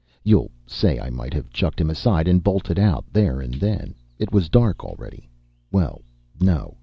You'll say I might have chucked him aside and bolted out, there and then it was dark already. Well, no.